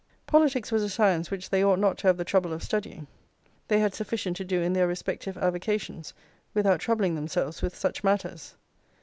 Politics was a science which they ought not to have the trouble of studying; they had sufficient to do in their respective avocations, without troubling themselves with such matters.